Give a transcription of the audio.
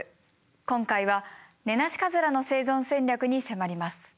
今回はネナシカズラの生存戦略に迫ります。